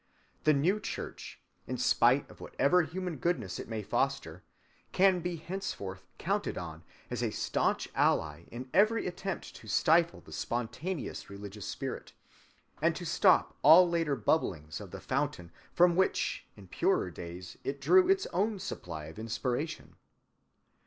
The new church, in spite of whatever human goodness it may foster, can be henceforth counted on as a staunch ally in every attempt to stifle the spontaneous religious spirit, and to stop all later bubblings of the fountain from which in purer days it drew its own supply of inspiration.